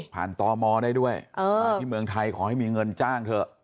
ตมได้ด้วยมาที่เมืองไทยขอให้มีเงินจ้างเถอะ